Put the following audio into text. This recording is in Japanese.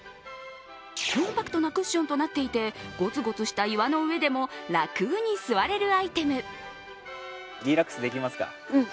コンパクトなクッションとなっていて、ゴツゴツした岩の上でも楽に座れるアイテム。